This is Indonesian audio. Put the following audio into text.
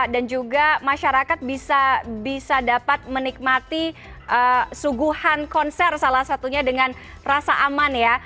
dan juga masyarakat bisa dapat menikmati suguhan konser salah satunya dengan rasa aman ya